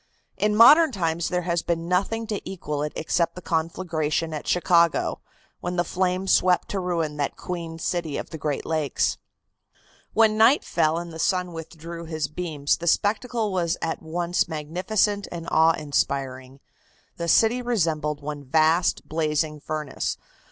In modern times there has been nothing to equal it except the conflagration at Chicago, when the flames swept to ruin that queen city of the Great Lakes. When night fell and the sun withdrew his beams the spectacle was one at once magnificent and awe inspiring. The city resembled one vast blazing furnace.